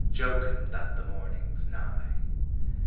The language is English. Jocund that the morning 's nigh.